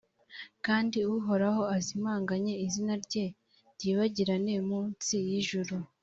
kandi uhoraho azimanganye izina rye ryibagirane mu nsi y’ijuru.